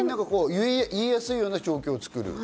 言いやすいような状況を作る。